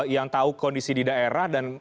yang tahu kondisi di daerah dan